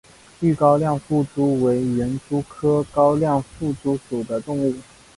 豫高亮腹蛛为园蛛科高亮腹蛛属的动物。